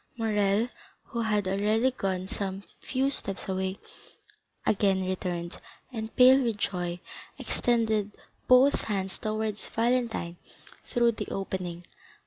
Morrel, who had already gone some few steps away, again returned, and pale with joy extended both hands towards Valentine through the opening.